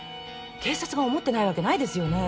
警察が思ってないわけないですよね。